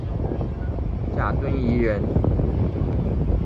贾敦颐人。